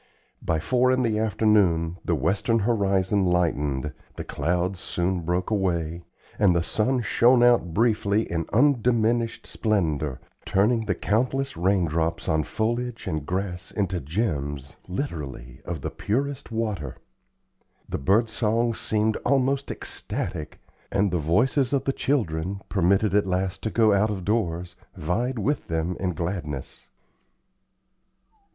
By four in the afternoon the western horizon lightened, the clouds soon broke away, and the sun shone out briefly in undiminished splendor, turning the countless raindrops on foliage and grass into gems, literally, of the purest water. The bird songs seemed almost ecstatic, and the voices of the children, permitted at last to go out of doors, vied with them in gladness.